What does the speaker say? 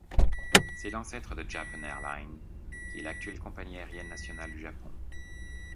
C'est l'ancêtre de Japan Airlines, qui est l'actuelle compagnie aérienne nationale du Japon.